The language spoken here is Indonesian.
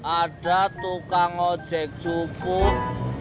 ada tukang ojek cukup